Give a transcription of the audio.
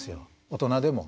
大人でも。